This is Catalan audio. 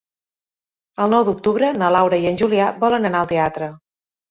El nou d'octubre na Laura i en Julià volen anar al teatre.